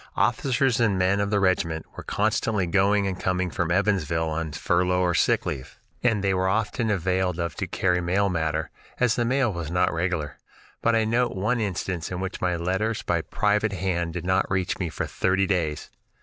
Officers and men of the regiment were constantly going and coming from Evansville on furlough or sick leave, and they were often availed of to carry mail matter, as the mail was not regular, but I note one instance in which my letters by private hand did not reach me for thirty days.